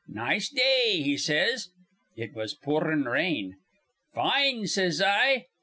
'Nice day,' he says. It was poorin' rain. 'Fine,' says I.